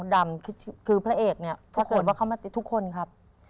ดำพระเอกเนี่ยทุกคนครับ